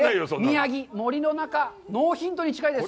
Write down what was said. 宮城、森の中、ノーヒントに近いです。